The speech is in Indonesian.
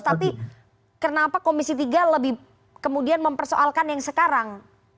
tapi kenapa komisi tiga lebih kemudian mempersoalkan yang sekarang